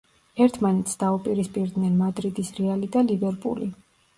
ერთმანეთს დაუპირისპირდნენ მადრიდის რეალი და ლივერპული.